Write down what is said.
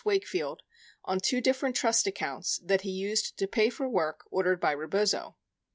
Wakefield on two different trust accounts that he used to pay for work ordered by Rebozo.